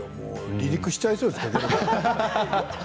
離陸しちゃいそうですよ。